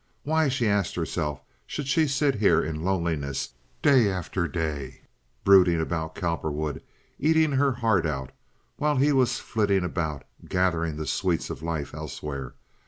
Why, she asked herself, should she sit here in loneliness day after day, brooding about Cowperwood, eating her heart out, while he was flitting about gathering the sweets of life elsewhere?